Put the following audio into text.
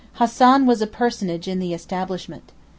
Hassan was a personage in the establishment.